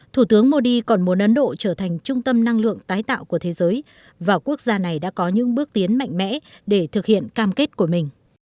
thủ tướng modi còn muốn ấn độ trở thành trung tâm năng lượng tái tạo của thế giới và quốc gia này đã có những bước tiến mạnh mẽ để thực hiện cam kết của mình